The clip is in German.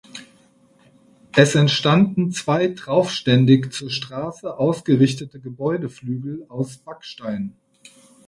Es entstanden zwei traufständig zur Straße ausgerichtete Gebäudeflügel aus Backstein.